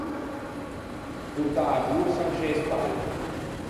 Portâ a borsa in scê spalle.